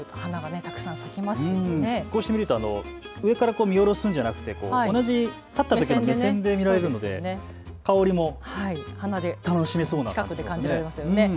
こうして見ると上から見下ろすんじゃなくて、同じ立ったときの目線で見られるので香りも楽しめそうな感じですね。